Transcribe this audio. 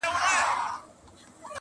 چي هوښیار طوطي ګونګی سو په سر پک سو؛